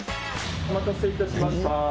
お待たせ致しました。